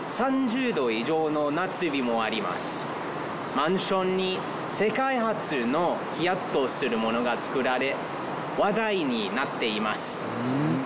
マンションに世界初のヒヤッとするものが造られ話題になっています。